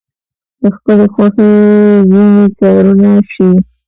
د خپلې خوښې ځینې کارونه شوي.